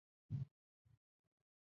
他们语言也变成乌兹别克语。